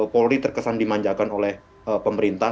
polri terkesan dimanjakan oleh pemerintah